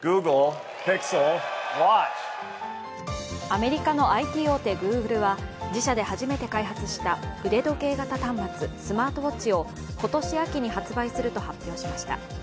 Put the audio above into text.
アメリカのＩＴ大手グーグルは自社で初めて開発した腕時計型端末＝スマートウオッチを今年秋に発売すると発表しました。